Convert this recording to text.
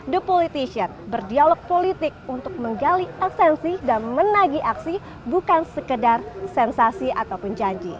the politician berdialog politik untuk menggali esensi dan menagi aksi bukan sekedar sensasi ataupun janji